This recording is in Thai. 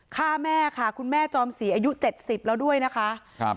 ฆ่าแม่ค่ะคุณแม่จอมศรีอายุเจ็ดสิบแล้วด้วยนะคะครับ